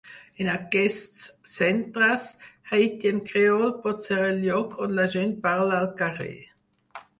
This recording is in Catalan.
En aquests centres, Haitian Creole pot ser el lloc on la gent parla al carrer.